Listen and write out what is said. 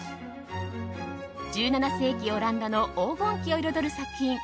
１７世紀オランダの黄金期を彩る作品